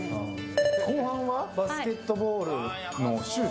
後半はバスケットボールのシュート。